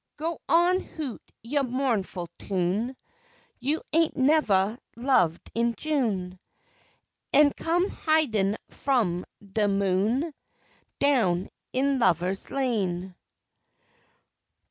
Go on, hoot yo' Mou'nful tune, You ain' nevah loved in June, An' come hidin' f'om de moon Down in lovah's lane.